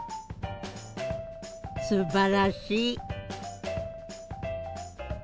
すばらしい。